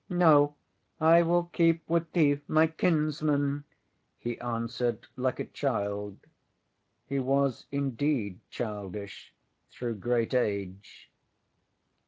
ŌĆØ ŌĆśŌĆ£No, I will keep with thee, my kinsman, ŌĆØ he answered like a child. He was indeed childish through great age.